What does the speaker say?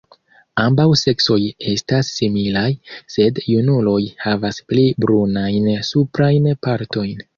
Ambaŭ seksoj estas similaj, sed junuloj havas pli brunajn suprajn partojn.